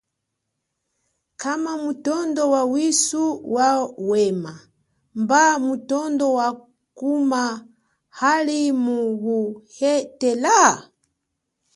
Kama mutondo wa wisu wa wema, mba mutondo wakuma hali mu wuhetela?